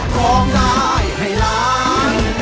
ร้องได้ให้ล้าน